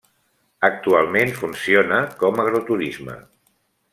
Actualment funciona com agroturisme.